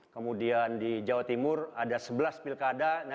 kemudian di jawa timur ada sebelas pilkada